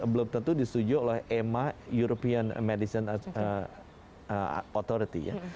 belum tentu disetujui oleh ema european medicine authority ya